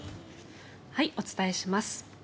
お伝えします。